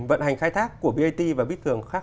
vận hành khai thác của brt và bíp thường khác